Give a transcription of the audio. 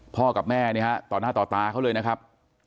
พ่อกับแม่เนี่ยฮะต่อหน้าต่อตาเขาเลยนะครับ